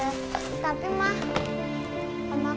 mama kan belum izin sama ayah